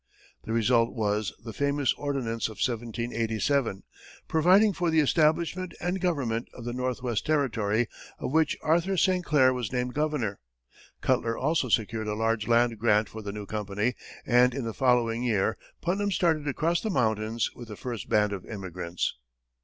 The result was the famous ordinance of 1787, providing for the establishment and government of the Northwest Territory, of which Arthur St. Clair was named governor. Cutler also secured a large land grant for the new company, and in the following year, Putnam started across the mountains with the first band of emigrants.